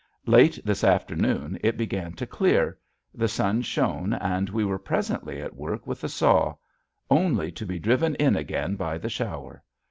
Late this afternoon it began to clear; the sun shone and we were presently at work with the saw only to be driven in again by the shower.